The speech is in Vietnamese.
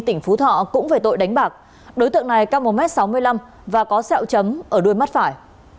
tỉnh phú thọ cũng về tội đánh bạc đối tượng này cao một m sáu mươi năm và có sẹo chấm ở đuôi mắt phải